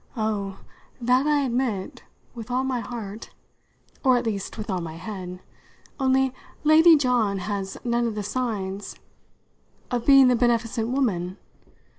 "Oh, that I admit with all my heart or at least with all my head. Only, Lady John has none of the signs " "Of being the beneficent woman?